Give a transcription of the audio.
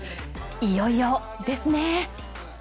いよいよですね。